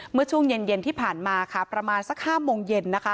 เมื่อช่วงเย็นที่ผ่านมาค่ะประมาณสัก๕โมงเย็น